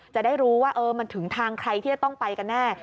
จะได้รู้ว่ามันถึงทางใครที่จะต้องไปกันแน่